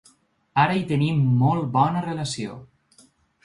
Ara hi tenim molt bona relació.